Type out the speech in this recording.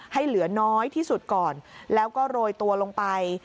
ให้เหลือน้อยที่สุดก่อนแล้วก็โรยตัวลงไป